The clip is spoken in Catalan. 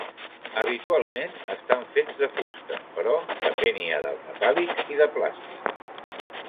Habitualment estan fets de fusta, però també n'hi ha de metàl·lics i de plàstic.